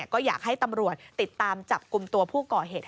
ก็อยากให้ตำรวจติดตามจับกลุ่มตัวผู้ก่อเหตุ